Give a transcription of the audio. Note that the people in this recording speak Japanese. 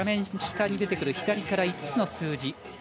画面下に出てくる左から５つの数字